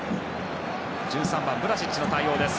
１３番ブラシッチの対応でした。